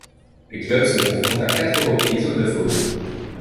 Les clubs se confrontent à quatre reprises aux neuf autres.